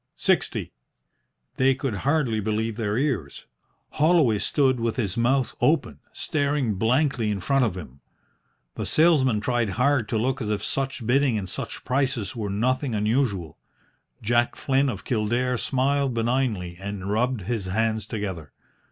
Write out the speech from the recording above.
"Sixty." They could hardly believe their ears. Holloway stood with his mouth open, staring blankly in front of him. The salesman tried hard to look as if such bidding and such prices were nothing unusual. Jack Flynn of Kildare smiled benignly and rubbed his hands together.